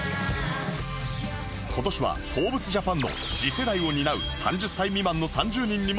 今年は『ＦｏｒｂｅｓＪＡＰＡＮ』の次世代を担う３０歳未満の３０人にも選出